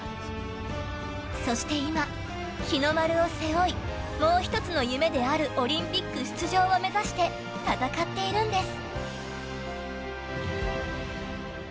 そして今、日の丸を背負いもう１つの夢であるオリンピック出場を目指して戦っているんです。